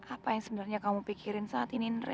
apa kamu sebetulnya yang udah nyesel nyakitin perasaan dewi